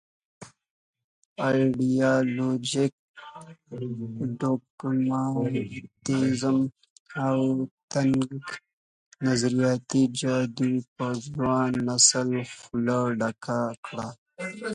ایډیالوژيک ډوګماتېزم او تنګ نظریاتي جادو په ځوان نسل خوله ډکه کړه.